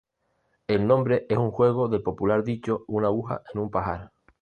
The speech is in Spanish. El nombre es un juego del popular dicho "una aguja en un pajar".